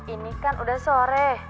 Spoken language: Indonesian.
ini kan udah sore